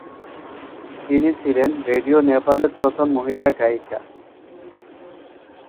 তিনি ছিলেন রেডিও নেপালের প্রথম মহিলা গায়িকা।